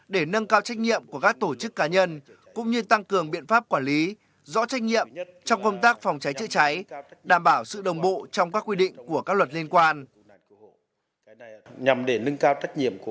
để nâng cao trách nhiệm của các tổ chức cá nhân cũng như tăng cường biện pháp quản lý rõ trách nhiệm trong công tác phòng cháy chữa cháy đảm bảo sự đồng bộ trong các quy định của các luật liên quan